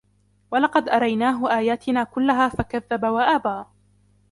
وَلَقَدْ أَرَيْنَاهُ آيَاتِنَا كُلَّهَا فَكَذَّبَ وَأَبَى